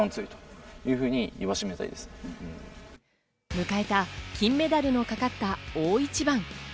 迎えた金メダルのかかった大一番。